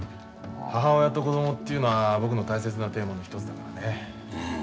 母親と子供というのは僕の大切なテーマの一つだからね。